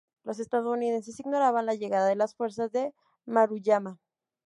Los estadounidenses ignoraban la llegada de las fuerzas de Maruyama.